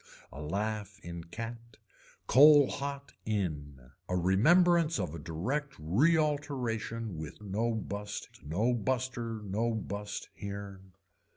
A laugh in cat, coal hot in. A remembrance of a direct realteration with no bust no buster, no bust here.